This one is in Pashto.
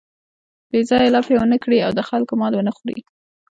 بې ځایه لاپې و نه کړي او د خلکو مال و نه خوري.